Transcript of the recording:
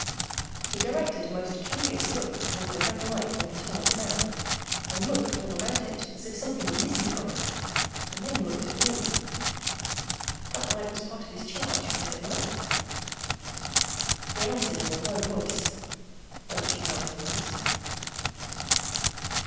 He directed a most curious look towards the red light near the tunnel's mouth, and looked all about it, as if something were missing from it, and then looked at me. That light was part of his charge? Was it not? He answered in a low voice,—"Don't you know it is?"